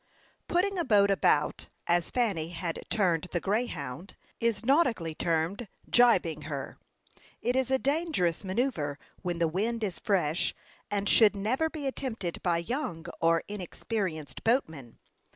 Putting a boat about, as Fanny had turned the Greyhound, is nautically termed gybing her. It is a dangerous manoeuvre when the wind is fresh, and should never be attempted by young or inexperienced boatmen.